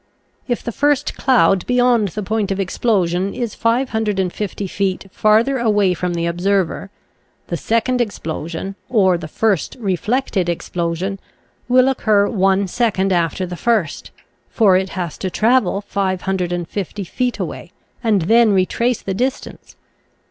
If the first cloud beyond the point of explosion is 550 feet farther away from the observer, the second explosion, or the first re flected explosion, will occur one second after the first; for it has to travel 550 feet away, and then retrace the distance.